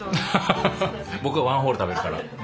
僕がワンホール食べるから。